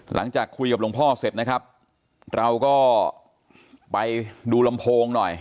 หลังจากคุยกับหลวงพ่อเสร็จนะครับเราก็ไปดูลำโพงหน่อย